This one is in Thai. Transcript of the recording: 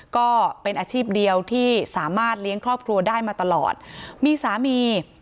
ก็เป็นอาชีพเดียวที่สามารถเลี้ยงครอบครัวได้มาตลอดมีสามี